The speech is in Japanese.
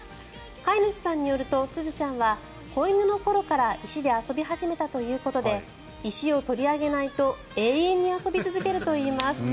飼い主さんによるとスズちゃんは子犬の頃から石で遊び始めたということで石を取り上げないと永遠に遊び続けるといいます。